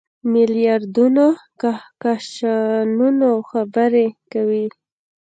میلیاردونو کهکشانونو خبرې کوي.